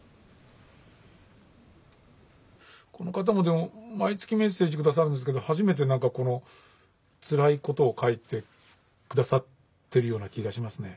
この方もでも毎月メッセージ下さるんですけど初めて何かこのつらいことを書いて下さってるような気がしますね。